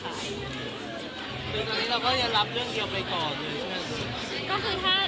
คือตอนนี้เราก็ยังรับเรื่องเดียวไปก่อน